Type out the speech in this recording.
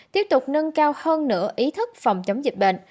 tiếp tục nâng cao hơn nữa ý thức phòng chống dịch bệnh